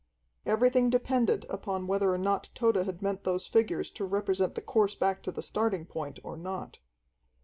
Everything depended upon whether or not Tode had meant those figures to represent the course back to the starting point or not.